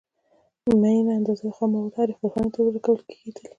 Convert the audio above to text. معینه اندازه خام مواد هرې کارخانې ته ورکول کېدل